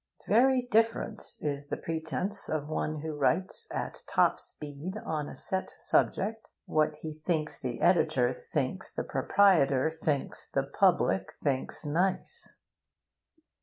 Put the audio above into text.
Very different is the pretence of one who writes at top speed, on a set subject, what he thinks the editor thinks the proprietor thinks the public thinks nice.